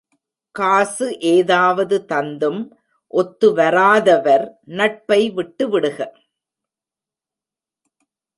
காசு ஏதாவது தந்தும் ஒத்துவாராதவர் நட்பை விட்டுவிடுக.